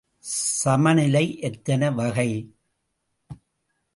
சமநிலை எத்தனை வகை?